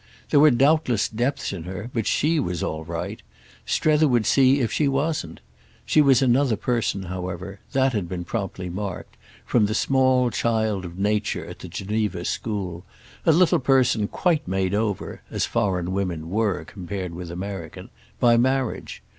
There were doubtless depths in her, but she was all right; Strether would see if she wasn't. She was another person however—that had been promptly marked—from the small child of nature at the Geneva school, a little person quite made over (as foreign women were, compared with American) by marriage.